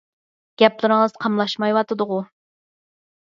گەپلىرىڭىز قاملاشمايۋاتىدىغۇ!